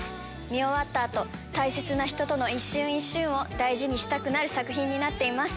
見終わった後大切な人との一瞬一瞬を大事にしたくなる作品になっています。